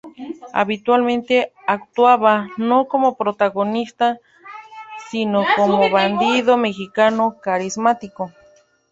Habitualmente actuaba no como protagonista, sino como bandido mexicano carismático.